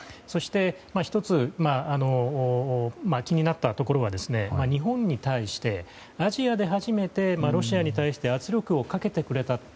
そして、１つ気になったところは日本に対して、アジアで初めてロシアに対して圧力をかけてくれた。